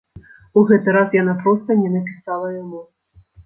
У гэты раз яна проста не напісала яму.